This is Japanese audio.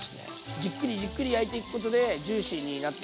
じっくりじっくり焼いていくことでジューシーになっていくんで。